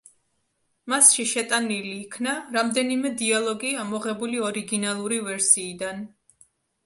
მასში შეტანილი იქნა რამდენიმე დიალოგი, ამოღებული ორიგინალური ვერსიიდან.